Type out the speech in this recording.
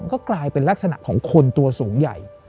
ก็กลายเป็นลักษณะของคนตัวสูงใหญ่